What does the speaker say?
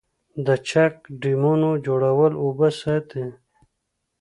د چک ډیمونو جوړول اوبه ساتي